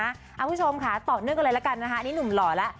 คุณผู้ชมค่ะต่อเนื่องกันเลยละกันนะคะอันนี้หนุ่มหล่อแล้ว